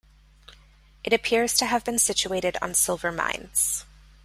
It appears to have been situated on silver mines.